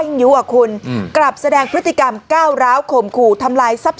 ยิ่งอยู่อ่ะคุณกลับแสดงพฤติกรรมเก้าร้าวคมคู่ทำลายทรัพย์